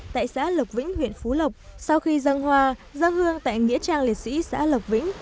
tại xã lộc vĩnh huyện phú lộc sau khi dân hoa dâng hương tại nghĩa trang liệt sĩ xã lộc vĩnh